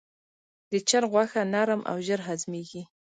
د چرګ غوښه نرم او ژر هضمېږي.